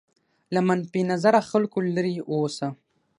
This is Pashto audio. له منفي نظره خلکو لرې واوسه.